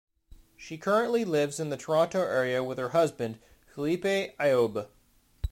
She currently lives in the Toronto area with her husband, Philippe Ayoub.